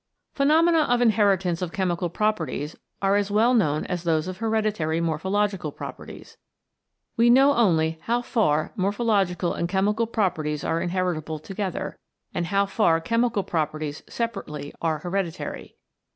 Phenomena of inheritance of chemical properties are as well known as those of hereditary mor phological properties. We know only how far morphological and chemical properties are in heritable together, and how far chemical pro perties separately are hereditary.